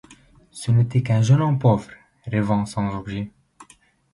Ce n'était qu'un jeune homme pauvre, rêvant sans objet.